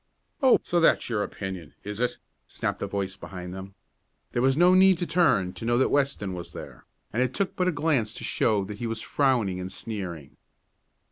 "Oh, so that's your opinion; is it?" snapped a voice behind them. There was no need to turn to know that Weston was there, and it took but a glance to show that he was frowning and sneering.